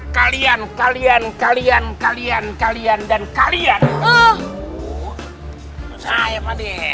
kalian kalian kalian kalian kalian kalian detained